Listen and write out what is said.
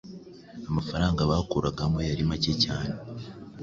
amafaranga bakuragamo yari make cyane.